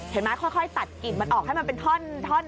เห็นไหมค่อยตัดกลิ่นมันออกให้มันไปดน